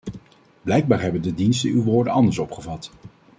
Blijkbaar hebben de diensten uw woorden anders opgevat.